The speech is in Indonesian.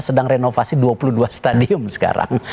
sedang renovasi dua puluh dua stadium sekarang